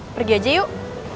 pergi aja yuk